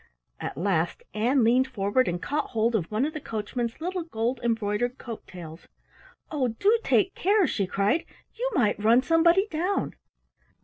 At last Ann leaned forward and caught hold of one of the coachman's little gold embroidered coat tails. "Oh, do take care," she cried, "you might run somebody down!"